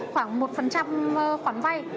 khoảng một khoản vay